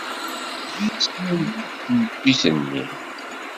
Isem-nnes tneččit-nni?